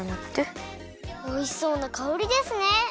おいしそうなかおりですね！